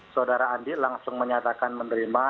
saudara andi langsung menyatakan menerima